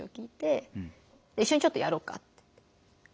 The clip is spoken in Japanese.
「一緒にちょっとやろうか」って。